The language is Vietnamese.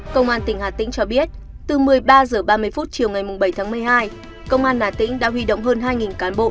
công an tỉnh hà tĩnh cho biết từ một mươi ba h ba mươi chiều ngày bảy tháng một mươi hai công an đà tĩnh đã huy động hơn hai cán bộ